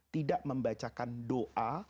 tidak membacakan doa